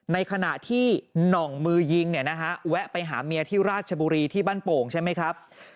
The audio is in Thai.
ในขณะที่หน่องมือยิงเนี่ยนะฮะแวะไปหาเมียที่ราชบุรีที่บ้านโป่งใช่ไหมครับ